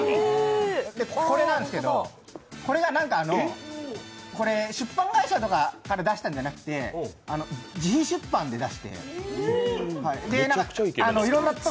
これなんですど、これが出版会社とかから出したんじゃなくて、自費出版で出してるんです。